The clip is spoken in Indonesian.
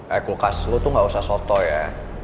eh kulkas lo tuh gak usah sotoh ya